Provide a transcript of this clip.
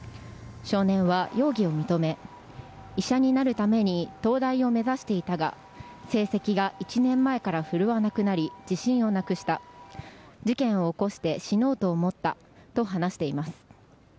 少年は容疑を認め医者になるために東大を目指していたが成績が１年前から振るわなくなり自信をなくした事件を起こして死のうと思ったと話しています。